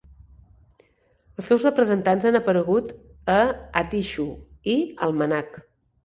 Els seus representants han aparegut a "At Issue" i "Almanac".